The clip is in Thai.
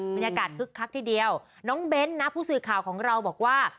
คึกคักทีเดียวน้องเบ้นนะผู้สื่อข่าวของเราบอกว่า